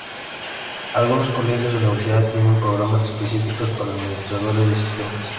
Algunos colegios o universidades tienen programas específicos para administradores de sistemas.